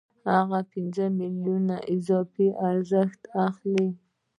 هغه پنځوس میلیونه له اضافي ارزښت څخه اخلي